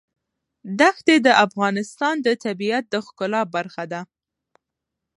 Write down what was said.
دښتې د افغانستان د طبیعت د ښکلا برخه ده.